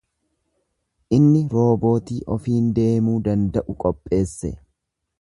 Inni roobootii ofiin deemuu danda'u qopheesse.